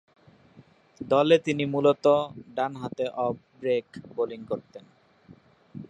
দলে তিনি মূলতঃ ডানহাতে অফ ব্রেক বোলিং করতেন।